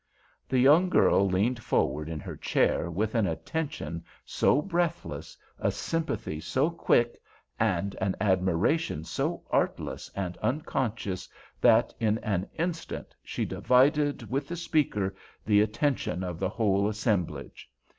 The young girl leaned forward in her chair with an attention so breathless, a sympathy so quick, and an admiration so artless and unconscious that in an instant she divided with the speaker the attention of the whole assemblage.